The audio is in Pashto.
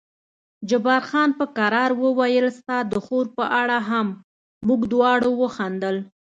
جبار خان په کرار وویل ستا د خور په اړه هم، موږ دواړو وخندل.